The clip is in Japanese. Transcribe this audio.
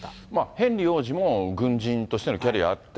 ヘンリー王子も軍人としてのキャリアあって。